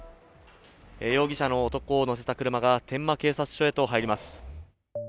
容疑者の男を乗せた車が天満警察署に入っていきます。